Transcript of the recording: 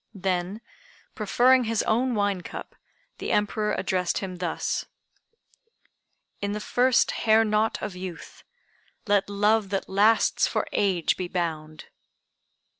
Then proffering his own wine cup, the Emperor addressed him thus: "In the first hair knot of youth, Let love that lasts for age be bound!"